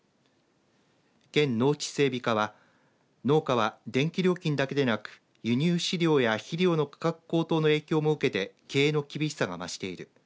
県農地整備課は農家は電気料金だけでなく輸入飼料や肥料の価格高騰の影響も受けて経営の厳しさが増している。